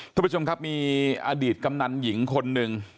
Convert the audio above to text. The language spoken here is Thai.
ทุกผู้ชมครับมีอดีตกำนันหญิงคนหนึ่ง